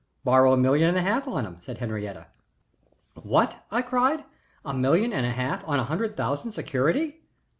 "Borrow a million and a half on 'em," said Henriette. "What!" I cried. "A million and a half on a hundred thousand security?"